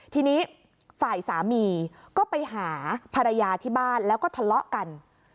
ทีนี้ฝ่ายสามีก็ไปหาภรรยาที่บ้านแล้วก็ทะเลาะกัน